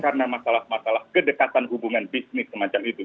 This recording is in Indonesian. karena masalah masalah kedekatan hubungan bisnis semacam itu